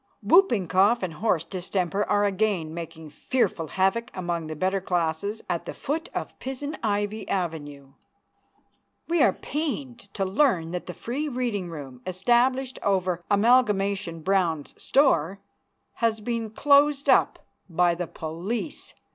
Whooping cough and horse distemper are again making fearful havoc among the better classes at the foot of Pizen Ivy avenue. We are pained to learn that the free reading room, established over Amalgamation Brown's store, has been closed up by the police.